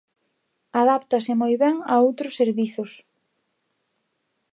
Adáptase moi ben a outros servizos.